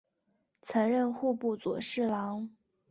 曾任户部左侍郎。